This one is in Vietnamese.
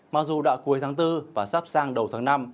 mặc dù đã cuối tháng bốn và sắp sang đầu tháng năm